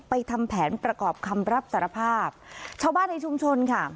ทำแผนประกอบคำรับสารภาพชาวบ้านในชุมชนค่ะ